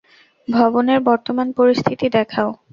ভবনের বর্তমান পরিস্থিতি দেখাও।